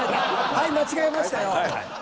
はい間違えましたよ。